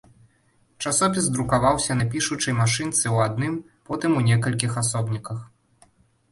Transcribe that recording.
Часопіс друкаваўся на пішучай машынцы ў адным, потым у некалькіх асобніках.